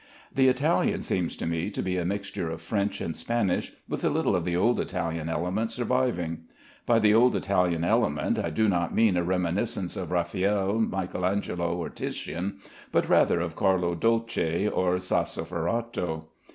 The Italian seems to me to be a mixture of French and Spanish, with a little of the old Italian element surviving. By the old Italian element I do not mean a reminiscence of Raffaelle, Michael Angelo, or Titian, but rather of Carlo Dolce or Sassoferrato.